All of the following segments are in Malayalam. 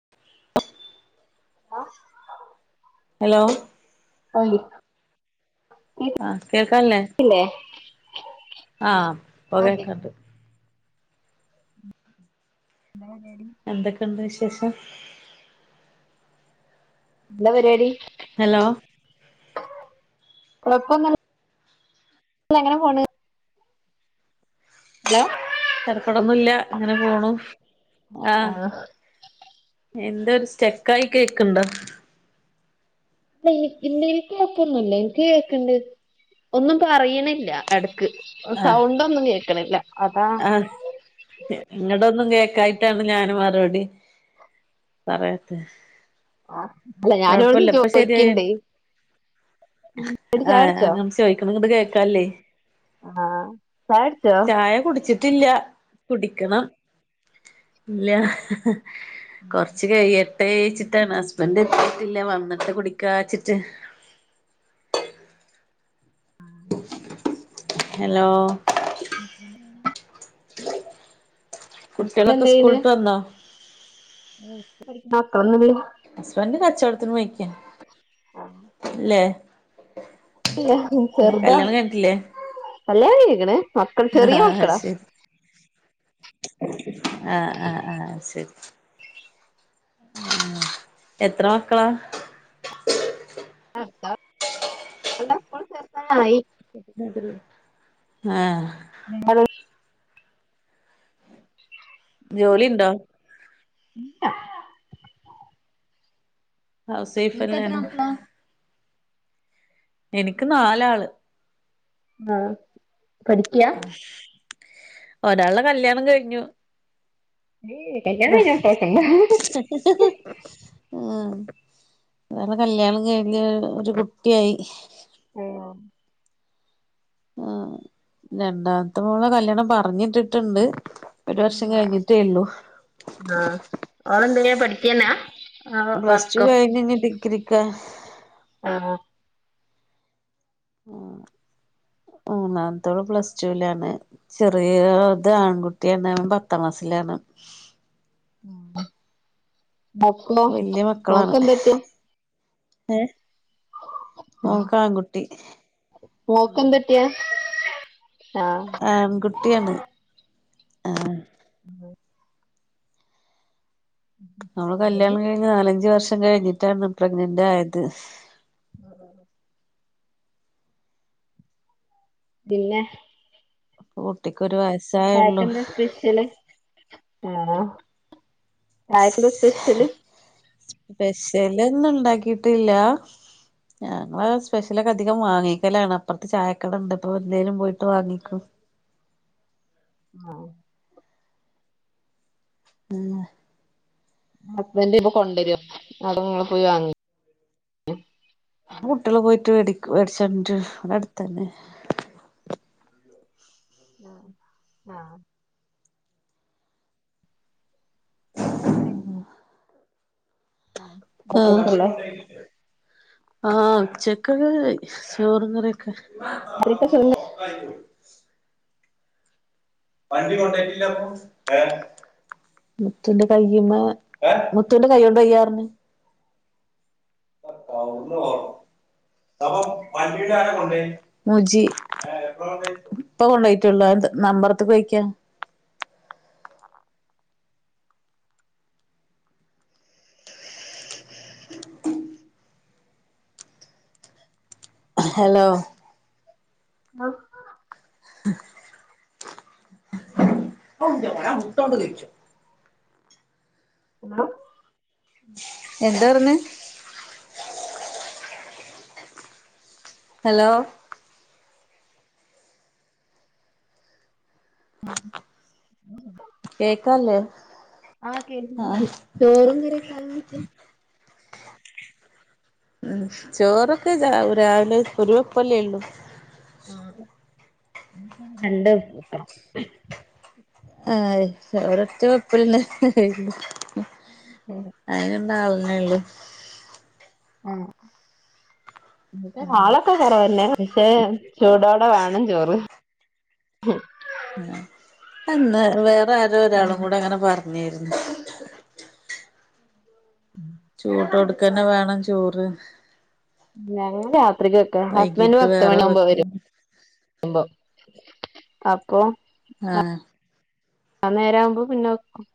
[inaudible] ഹലോ ഹല് ആഹ് കേക്കാ‌ല്ലേ? കേക്കില്ലേ ആഹ് ഇപ്പൊ ആഹ് കേക്കാം കേക്ക്ണ്ട്. ഇന്നാ ലേഡി എന്തക്കെണ്ട് വിശേഷം? എന്താ പരിവാടി? ഹലോ കൊഴപ്പൊന്നു അങ്ങനെ പോണ്. ഹലോ തെര്ക്കെടൊന്നുല്ല അങ്ങനെ പോണു ആഹ്. എന്താ ഒരു സ്റ്റെക്കായി കേക്ക് ണ്ടോ? ല്ല ഇനി ഇന്റെല്ക്ക്‌ കേക്ക്ന്നില്ലേ? ഇൻക്കേക്ക്‌ണ്ട് ഒന്നും പറയ്ണില്ല എടക്ക്. ഓ ആഹ് സൗണ്ടൊന്നും കേക്ക്‌ണില്ല. ആഹ് ഇങ്ങടൊന്നും കേക്കായ്ട്ടാണ് ഞാന് മറുപടി പറയാത്തെ. ആഹ് അല്ല ഞാൻ ഇവ്ട്ന്ന് കൊഴപ്പല്ല ഇപ്പൊ ശരിയായി ചോയ്ക്ക്ണ്ടേ. ആഹ് അങ്ങന ചോയ്ക്കണ ഇങ്ങട്ട് കേക്കാല്ലേ. ആഹ് ചായട്ച്ചോ? ചായ കുടിച്ചിട്ടില്ല കുടിക്കണം ഇല്ല. കൊർച്ച് കഴിയട്ടെയ്ച്ചിട്ടാണ്. ഹസ്ബന്റ് എത്തിട്ടില്ല വന്നിട്ട് കുടിക്കച്ച്ട്ട് ഹലോ ഹസ്ബന്റെടെ കുട്ടികളൊക്കെ ഹസ്ബന്റെന്താചെയ്യ്ണ്? സ്കൂളിട്ട് വന്നോ മക്കള് ഹസ്ന്റ് കച്ചോട്‌ത്തിന് പോയിക്ക്യാ അല്ലേ? ഇല്ല ചെർതാ കല്യാണം കഴിഞ്ഞിട്ടില്ലേ കല്യാണം കഴിഞ്ഞിക്ക്ണ് മക്കൾ ചെറിയ ആഹ് മക്കളാ. ശരി ആഹ് ആഹ് ആഹ് ശരി. എത്ര മക്കളാ? അട്ത്തെ സ്ക്കൂള് ചേർതാനായി. [unintelligible] ആഹ്. നിങ്ങൾ ജോലി ഇണ്ടോ. [inaudible] ഹാസ് വൈഫെന്നെയാണ്. എനിക്ക് നാലാള്. ആഹ് പഠിക്ക്യാ ഒരാൾടെ കല്യാണം കഴിഞ്ഞു. ഏഹ് കല്യാണം കഴിഞ്ഞ മക്കളൊക്കെണ്ടാ ആഹ് വേറെ കല്യാണം കഴിഞ്ഞ് ഒരു കുട്ടിയായി. ആഹ് ആഹ് രണ്ടാമത്തെ മോളെ കല്യാണം പറഞ്ഞിട്ടിട്ടുണ്ട്. ഒരു വർഷം കഴിഞ്ഞിട്ടേ ഇള്ളൂ. ആഹ് ഓള് എന്തെയ്യാ പഠിക്കെന്നെയാ പ്ലസ്ടു കഴിഞ്ഞ് ഇനി ഡിഗ്രിക്കാ. ആഹ്. ആഹ് മൂന്നാമത്തോള് പ്ലസ് ടൂലാണ് ചെറിയ ഇത് ആൺകുട്ടിയാണ് ഓൻ പത്താം ക്ലാസ്സിലാണ്. എപ്പോ മോക്ക് എന്താ പറ്റിയെ ഏഹ്. മോക്കെന്താ പറ്റിയെ ആഹ്. ആൺ കുട്ടിയാണ് ആഹ്. ഉം നമ്മള് കല്യാണം കഴിഞ്ഞ് നാലഞ്ച് വർഷം കഴിഞ്ഞിട്ടാണ് പ്രഗ്നന്റായത്. ആഹ്. പിന്നെ ഇപ്പ കുട്ടിക്ക് ഒരു വയസ് ചായക്ക് എന്താ സ്പെഷ്യല് ആണോ ചായക്ക് സ്പെഷ്യല് സ്പെഷ്യല് ഒന്നും ഉണ്ടാക്കിട്ടില്ലാ. ഞങ്ങള് സ്പെഷ്യല് ഒക്കെ അധികം വാങ്ങിക്കലാണ് അപ്പർത്ത് ചായക്കട ഇണ്ട് അപ്പൊ എന്തേലും പോയിട്ട് വാങ്ങിക്കും. ആഹ്. [unintelligible] ഹസ്ബൻഡ് ഇപ്പൊ കൊണ്ടരോ അതോ ഇങ്ങള് പോയി വാങ്ങി കുട്ട്യേള് പോയിട്ട് മേടിക്കു മേടിച്ചോണ്ടെരും ഇവിടെ അടുത്തന്നെ. ആഹ് ചോറും കറിയൊക് ആഹ്, മക്കൾക്കുള്ളെ ആഹ്, ഉച്ചക്ക് ചോറും കറിയുയൊക് കറിയൊക്കെ ചോറും വണ്ടി കൊണ്ടോയിറ്റില്ലാപ്പം ഏഹ് മുത്തൂന്റെ കൈയ്യീമ്മെ, മുത്തൂന്റെ കൈ കൊണ്ടുവയ്യാ പർഞ്ഞ് വണ്ടിയുടെയാരാകൊണ്ടുപോയേ, മുജി എപ്പോ കൊണ്ടുപോയി, ഇപ്പൊ കൊണ്ടുപോയിട്ടുള്ളൂ യതുനമ്പറത്തു പയോഗിക്കാൻ ഹലോ ആഹ് [unintelligible] ഹലോ എന്താ പറഞ്ഞേ ഹലോ കേക്കാല്ലേ ആഹ് കേൾക്കുന്നുണ്ട് ചോറും കറിയൊക്കെ അരാവച്ചെ ഉം ചോറൊക്കെ രാവിലെആണ് ഒരു വെപ്പല്ലേ ഇള്ളൂ ആഹ് രണ്ടുവെപ്പ് ആഹ് ഒറ്റ ഒരൊറ്റ വെപ്പലിനു കഴിഞ്ഞു ഉം ഉം അയിനുള്ള ആള്നെഇള്ളു ആഹ് ഇവിടേ ആളൊക്കെ കുറവന്നെ പക്ഷേ ചൂടോടെവേണം ചോറ് ആഹ് അന്ന് വേറെ അരോ ഒരാളും കൂടെ അങ്ങനെ പറഞ്ഞിരുന്നു ഉം ചൂടോട്ക്കാന്നെ വേണം ചോറ് ഞങ്ങളു രാത്രിക്കുവെക്ക ഹസ്ബൻഡു വൈകീട്ട് വേറെ പത്തുമണിയാമ്പോ വരും. വെക്കും വരുമ്പം അപ്പൊ ആഹ് അന്നേരകുമ്പോ പിന്നെ വെക്കും.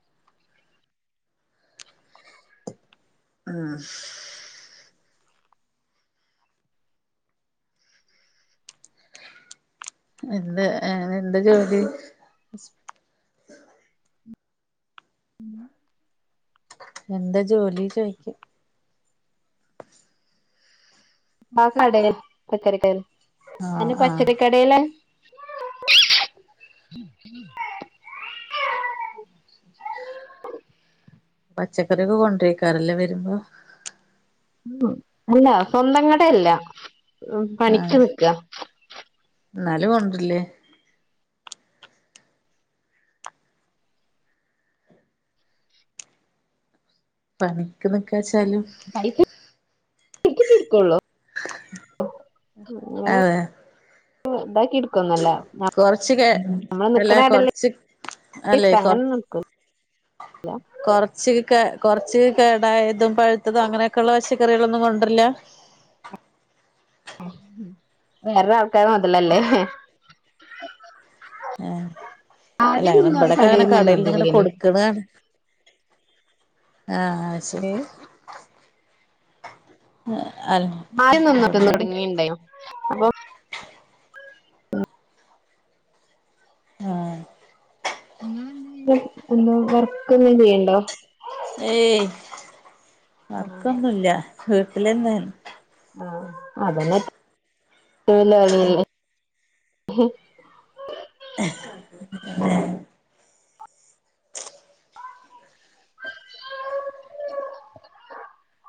ആഹ് പിന്നെ വേറെ എന്താ ജോലി എന്താ ജോലി ചോയിക്കും ആ കടെൽ ഇപ്പ തെരക്കാണ് ആഹ് അന്ന് ആഹ് [unintelligible] കടെൽ അന്ന് പച്ചക്കറിയൊക്കെ കൊണ്ടരിക്കാറില്ലേ വരുമ്പം ഉമ്മ അല്ല സ്വന്തംകടയല്ല ഉം ആഹ് പണിക്കുനിക്ക എന്നാലും കൊണ്ടിരില്ലേ പണിക്കു നിക്കാച്ചാലും ഇരിക്കുള്ളു ഉം അതെ [inaudible] എടുക്കൂന്നല്ല ന കൊറച്ച് നമ്മളു അല്ല നിക്കണകടല് കൊറച്ച് അല്ലെ പ്രത്യേകിച്ചങ്ങനെ നിൽക്കും യാ കുറച്ച്ക്കെ കുറച്ച് കേടായതും പഴുത്തതും അങ്ങനെഓക്കെഉള്ളെ പച്ചക്കറികളൊന്നും കൊണ്ടിരില്ല ആഹ് ഉം വേറൊരാൾക്കാർടെ മുതലല്ലേ ഏഹ് അല്ല ആദ്യം അങ്ങനെ നിന്നോര് ഇമ്പിടൊക്കെ അങ്ങനെ കടേന്ന് കടയിൽ നിന്നിങ്ങനെ കൊണ്ടരലേനു കൊടു ക്കന്നതാണ് അഹ് അതുശരി ഏഹ് ഏഹ് അൽ ആദ്യം നിന്നിട്ടോന്നു തുടങ്ങി യുണ്ടായ്നൊ ആഹ് ഇയാൾ എന്തെവേലും ഒന്നു വർക്ക് ഒന്നും ചെയ്യണ്ടോ ഏയ് വർക്കൊന്നുംഇല്ല വീട്ടിലന്നെ ആണ് ആഹ് അതന്നെ [unintelligible] ! ! ! ! ! ! ! ! ! !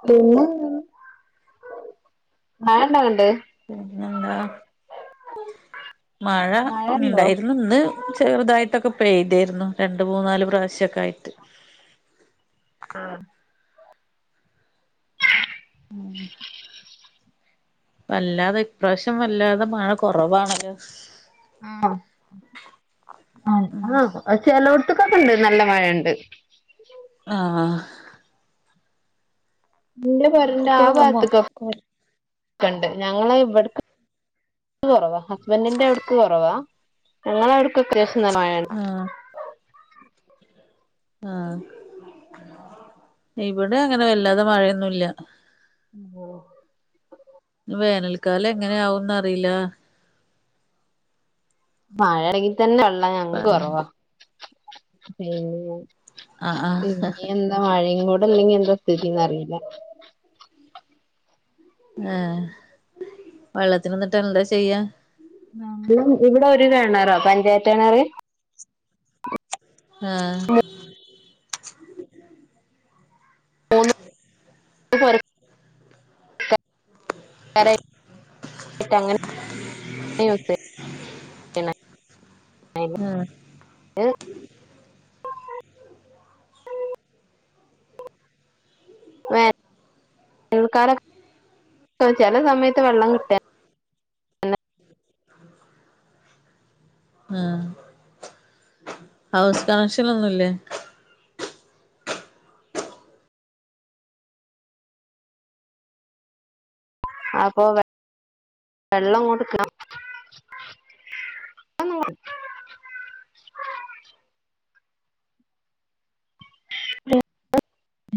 പിന്നെ ഞാൻ എന്നേ കണ്ടേ പിന്നേ എന്താ മഴ മഴണ്ടോ ണ്ടായിരുന്നു ഇന്ന് ചെറുതായിട്ടൊക്കെ പെയ്തായിരുന്നു രണ്ട് മൂന്നാല് പ്രാവശ്യം ഒക്കെ ആയിട്ട് ആഹ് ഉം വല്ലാതെ ഇപ്രാവശ്യം വല്ലാതെ മഴ കുറവാണല്ലോ ആ ആ ചെലോട്ത്ത്ക്കൊക്കെ ഉണ്ട് നല്ല മഴ ഉണ്ട് ആഹ് ഇന്റെ പേരൻ്റെ ആ പാത്ത് ആഹ് കൊ കണ്ട് ഞങ്ങങ്ങള ഇവിടേക്ക് കുറവാ ഹസ്ബൻ്റ ൻ്റെ അവിടുക്ക് കുറവാ ഞ്ഞ ങ്ങളെ അവിടുക്ക് അത്യാവശ്യം നല്ല മഴ ഉണ്ട് ആഹ് ഇവിടെ അങ്ങനെ വല്ലാതെ മഴയൊന്നുമല്ല ഓ വേനൽക്കാലം എങ്ങനെയ ആവും ന്ന് അറിയില്ല മഴയില്ലങ്കിൽ തന്നെ വെള്ളം ഞങ്ങക്ക് പറയണ്ട് കുറവാ പിന്നെ ആഹ് ആഹ് ഇനി എന്താ മഴയുംയും കൂടെ ഇല്ലെങ്കി എന്താ സ്ഥിതിന്ന് അറിയില്ല ആഹ് വെള്ളത്തിന് എന്നിട്ട് എന്താ ചെയ്യാ ഇവിടെ ഒര് കിണറാ പഞ്ചായത്ത് കിണ റ് ആഹ് മൂന്ന് [unintelligible] [unintelligible] അങ്ങനെ യുസ് ചെയ്യാ അതില് ആ [unintelligible] വേനൽ കാലം ചില സമയത്ത് വെള്ളം കിട്ടേ [unintelligible] ആ ഹൗസ് കണക്ഷൻ ഒന്നുംല്ലേ അപ്പൊ വ വെള്ളം കൊണ്ട് അ [unintelligible] [unintelligible]